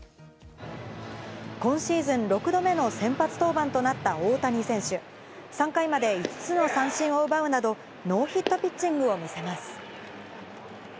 今シーズン６度目の先発登板となった大谷選手、３回まで５つの三振を奪うなど、ノーヒットピッチングを見せます。